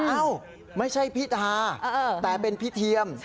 เอ้าไม่ใช่พิธาแต่เป็นพี่เทียม